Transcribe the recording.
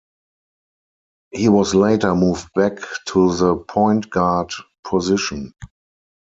He was later moved back to the point guard position.